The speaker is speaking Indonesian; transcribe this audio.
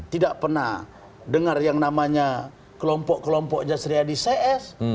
tidak pernah dengar yang namanya kelompok kelompok jasriyadi cs